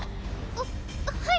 あっはい。